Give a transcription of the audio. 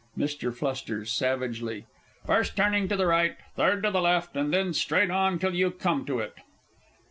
MR. F. (savagely). First turning to the right, third to the left, and then straight on till you come to it!